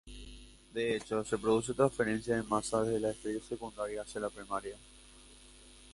De hecho, se produce transferencia de masa desde la estrella secundaria hacia la primaria.